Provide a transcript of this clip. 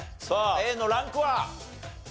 さあＡのランクは？